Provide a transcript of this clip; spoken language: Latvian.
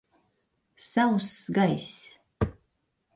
Sauss gaiss.